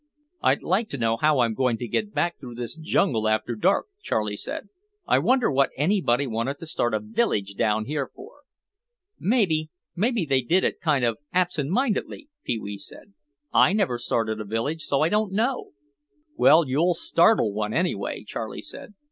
"I'd like to know how I'm going to get back through this jungle after dark," Charlie said. "I wonder what anybody wanted to start a village down here for?" "Maybe—maybe they did it kind of absent mindedly," Pee wee said. "I never started a village so I don't know." "Well, you'll startle one anyway," Charlie said.